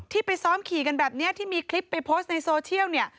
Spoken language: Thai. ไปซ้อมขี่กันแบบนี้ที่มีคลิปไปโพสต์ในโซเชียลเนี่ย